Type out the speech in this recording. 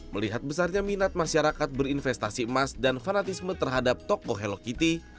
melihat besarnya minat masyarakat berinvestasi emas dan fanatisme terhadap toko hello kitty